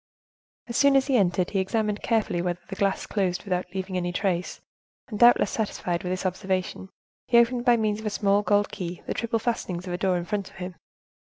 As soon as he entered, he examined carefully whether the glass closed without leaving any trace, and, doubtless satisfied with his observation, he opened by means of a small gold key the triple fastenings of a door in front of him.